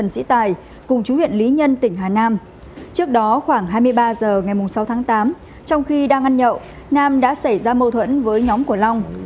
khi đang ăn nhậu nam đã xảy ra mâu thuẫn với nhóm cổ lông